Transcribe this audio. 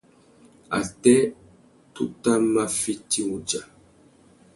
Atê, tu tà mà fiti wudja.